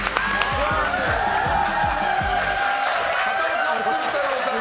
片岡鶴太郎さん